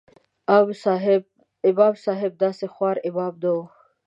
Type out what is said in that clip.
امام صاحب داسې خوار امام نه و.